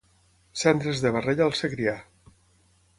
Cendres de barrella al Segrià.